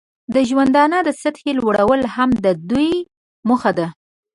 د ژوندانه د سطحې لوړول هم د دوی موخه ده.